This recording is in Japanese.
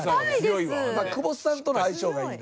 久保田さんとの相性がいいな。